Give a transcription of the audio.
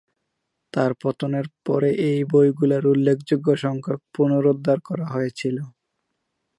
তাঁর পতনের পরে এই বইগুলোর উল্লেখযোগ্য সংখ্যক পুনরুদ্ধার করা হয়েছিল।